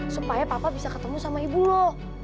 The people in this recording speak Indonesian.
supaya papa bisa ketemu sama ibu lo